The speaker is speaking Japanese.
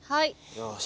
よし。